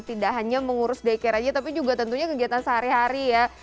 tidak hanya mengurus daycare aja tapi juga tentunya kegiatan sehari hari ya